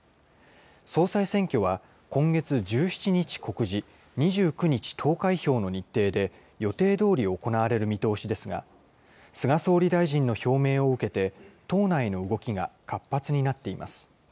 総裁選挙は今月１７日告示、２９日投開票の日程で、予定どおり行われる見通しですが、菅総理大臣の表明を受けて、党内の動きが活発になっています。